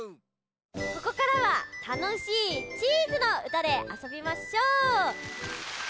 ここからはたのしいチーズのうたであそびましょう！